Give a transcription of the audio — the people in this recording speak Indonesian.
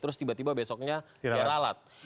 terus tiba tiba besoknya diralat